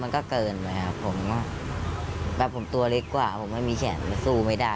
มันก็เกินไปครับผมแบบผมตัวเล็กกว่าผมไม่มีแขนมันสู้ไม่ได้